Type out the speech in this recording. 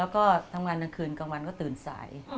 แล้วก็ทำงานกลางคืนกลางวันก็ตื่นสาย